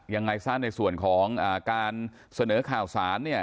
ยังไงซะในส่วนของการเสนอข่าวสารเนี่ย